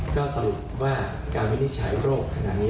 ก็สรุปว่าการวินิจฉัยโรคขณะนี้